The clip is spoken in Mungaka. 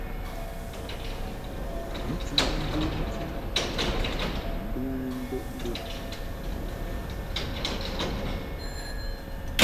Bi ti bomti mbɨŋni mbəʼmbəʼ.